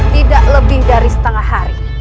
tidak lebih dari setengah hari